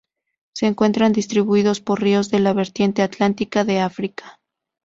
Se encuentran distribuidos por ríos de la vertiente atlántica de África.